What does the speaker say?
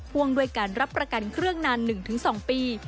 พ่วงด้วยการรับประกันเครื่องนาน๑๒ปี